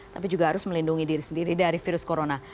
tapi juga harus melindungi diri sendiri dari virus corona